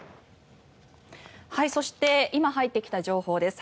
そして今入ってきた情報です。